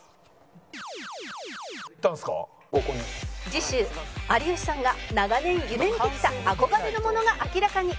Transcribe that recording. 次週有吉さんが長年夢見てきた憧れのものが明らかに